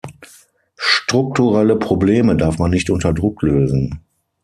Strukturelle Probleme darf man nicht unter Druck lösen.